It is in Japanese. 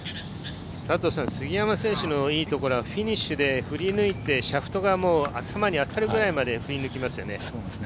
杉山選手のいいところは、フィニッシュで振り抜いてシャフトが頭に当たるくらいまで振り抜きますよね。